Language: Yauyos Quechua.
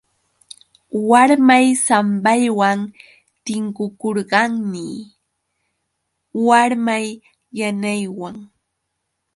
Warmay sambaywan tinkukurqani warmay yanaywan.